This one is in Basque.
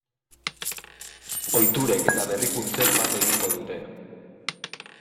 Ohiturek eta berrikuntzek bat egingo dute.